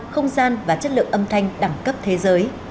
không gian và chất lượng âm thanh đẳng cấp thế giới